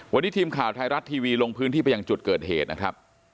วันนี้ทีมข่าวไทยรัฐทีวีลงพื้นที่ไปยังจุดเกิดเหตุนะครับ